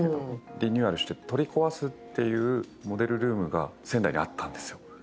リニューアルして取り壊すというモデルルームが仙台にあったんですよ。